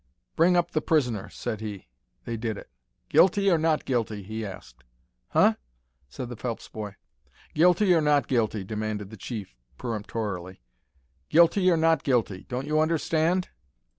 "Bring up the prisoner," said he. They did it. "Guilty or not guilty?" he asked. "Huh?" said the Phelps boy. "Guilty or not guilty?" demanded the chief, peremptorily. "Guilty or not guilty? Don't you understand?"